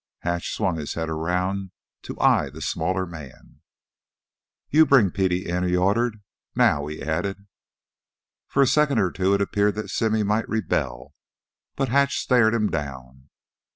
Hatch swung his head around to eye the smaller man. "You bring Petey in!" he ordered. "Now!" he added. For a second or two it appeared that Simmy might rebel, but Hatch stared him down.